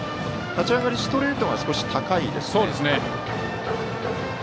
立ち上がりストレートが少し高いですね。